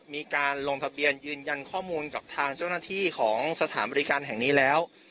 มีการลงทะเบียนยืนยันข้อมูลกับทางเจ้าหน้าที่ของสถานบริการแห่งนี้แล้ว